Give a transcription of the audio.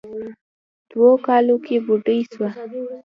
دوو کالو کې بوډۍ سوه.